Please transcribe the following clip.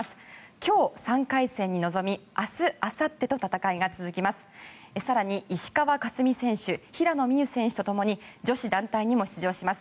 今日、３回戦に臨み明日あさってと戦いが続きます。